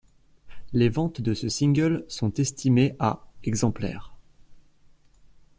Les ventes de ce single sont estimées à exemplaires.